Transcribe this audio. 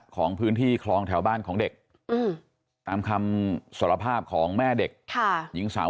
ของพื้นที่คลองแถวบ้านของเด็กตามคำสารภาพของแม่เด็กหญิงสาว